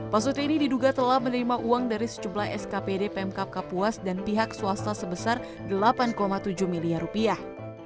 pak sutri ini diduga telah menerima uang dari sejumlah skpd pemkap kapuas dan pihak swasta sebesar delapan tujuh miliar rupiah